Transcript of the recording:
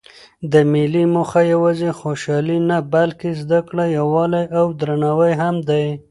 د مېلو موخه یوازي خوشحالي نه؛ بلکې زدکړه، یووالی او درناوی هم دئ.